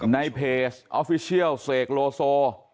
ในเพจออฟฟิเชียลเสกโลโซ